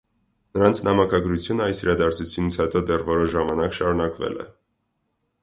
Նրանց նամակագրությունը այս իարդարձությունից հետո դեռ որոշ ժամանակ շարունակվել է։